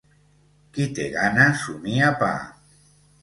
Qui té gana, sumia pa.